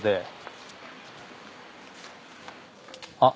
あっ